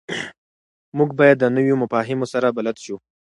موږ باید د نویو مفاهیمو سره بلد شو.